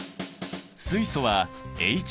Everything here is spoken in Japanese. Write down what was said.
水素はＨ。